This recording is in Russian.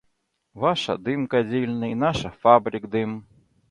Ваша — дым кадильный, наша — фабрик дым.